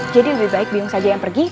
jadi lebih baik biong saja yang pergi